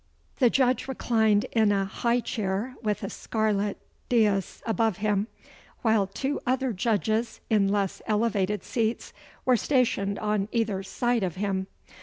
The Judge reclined in a high chair, with a scarlet dais above him, while two other Judges, in less elevated seats, were stationed on either side of him.